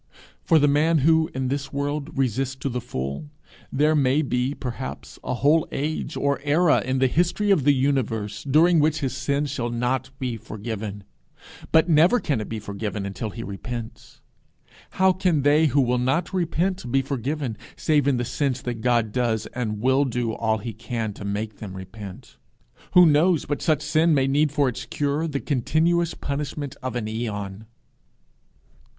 For the man who in this world resists to the full, there may be, perhaps, a whole age or era in the history of the universe during which his sin shall not be forgiven; but never can it be forgiven until he repents. How can they who will not repent be forgiven, save in the sense that God does and will do all he can to make them repent? Who knows but such sin may need for its cure the continuous punishment of an aeon?